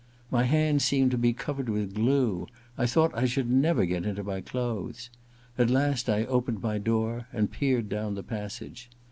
My hands seemed to be covered with glue — I thought I should never get into my clothes. At last I opened my door and peered down the passage.